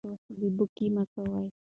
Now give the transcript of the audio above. بې باکي مه کوئ.